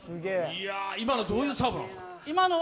今のはどういうサーブなの？